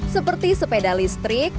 seperti sepeda listrik